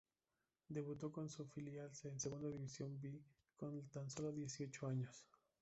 Debutó con su filial en Segunda División B con tan sólo dieciocho años.